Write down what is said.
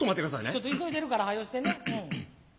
ちょっと急いでるから早うしてね。